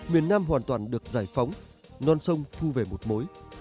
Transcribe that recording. miền nam hoàn toàn được giải phóng non sông thu về một mối